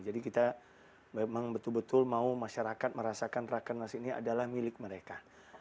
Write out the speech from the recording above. jadi kita memang betul betul mau masyarakat merasakan raker nas ini adalah milik mereka